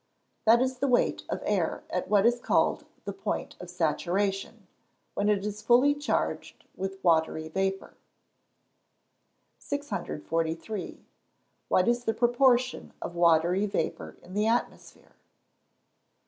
_ That is the weight of air at what is called the point of saturation, when it is fully charged with watery vapour. 643. _What is the proportion of watery vapour in the atmosphere?